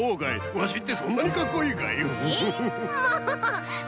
ワシってそんなにかっこいいかい？